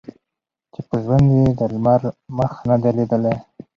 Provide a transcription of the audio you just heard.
چي په ژوند یې د لمر مخ نه دی لیدلی